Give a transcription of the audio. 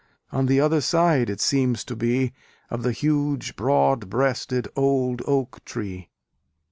On the other side it seems to be, Of the huge, broad breasted, old oak tree.